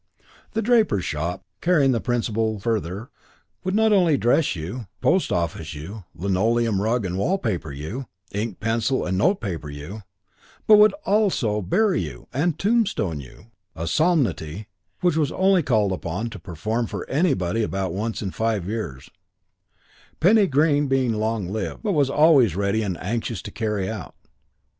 The draper's shop, carrying the principle further, would not only dress you; post office you; linoleum, rug and wall paper you; ink, pencil and note paper you; but would also bury you and tombstone you, a solemnity which it was only called upon to perform for anybody about once in five years Penny Green being long lived but was always ready and anxious to carry out.